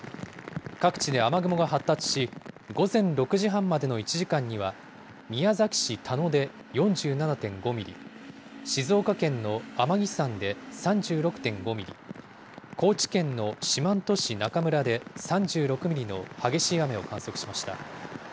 各地で雨雲が発達し、午前６時半までの１時間には、宮崎市田野で４７．５ミリ、静岡県の天城山で３６．５ミリ、高知県の四万十市中村で３６ミリの激しい雨を観測しました。